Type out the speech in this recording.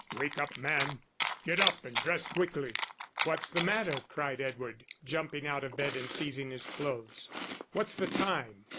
"Wake up, man get up and dress quickly." "What's the matter?" cried Edward, jumping out of bed and seizing his clothes. "What's the time?"